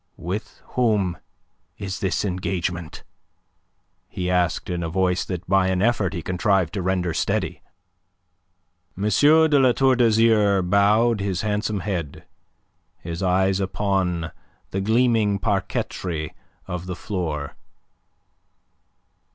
"With whom is this engagement?" he asked in a voice that by an effort he contrived to render steady. M. de La Tour d'Azyr bowed his handsome head, his eyes upon the gleaming parquetry of the floor.